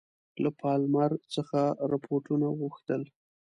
له پالمر څخه رپوټونه وغوښتل.